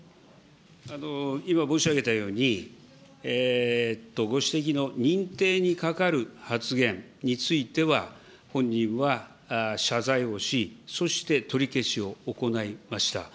今申し上げたように、ご指摘のにんていにかかる発言については、本人は謝罪をし、そして取り消しを行いました。